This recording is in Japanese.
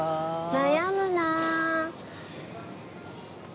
悩むな。